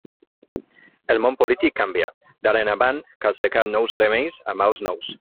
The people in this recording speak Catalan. El món polític canvia; d'ara en avant cal cercar nous remeis a mals nous.